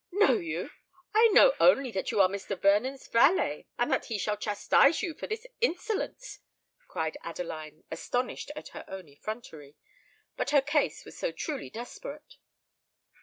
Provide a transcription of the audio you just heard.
"Know you!—I know only that you are Mr. Vernon's valet, and that he shall chastise you for this insolence," cried Adeline, astonished at her own effrontery: but her case was so truly desperate!